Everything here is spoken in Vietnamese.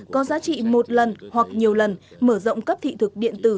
có giá trị một lần hoặc nhiều lần mở rộng cấp thị thực điện tử